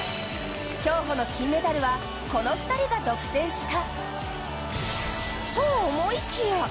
競歩の金メダルは、この２人が独占した。